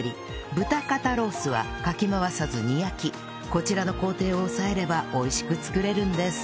こちらの工程を押さえれば美味しく作れるんです